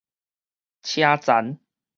車罾